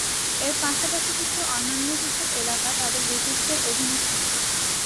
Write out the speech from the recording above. এর পাশাপাশি কিছু অন্যান্য কিছু এলাকা তাদের ব্রিটিশদের অধিনে ছিল।